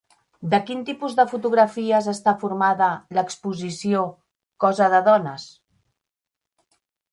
De quin tipus de fotografies està formada l'exposició Cosa de dones?